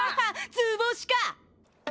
図星か！